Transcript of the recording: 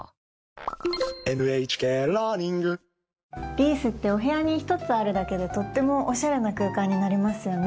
リースってお部屋に一つあるだけでとってもおしゃれな空間になりますよね。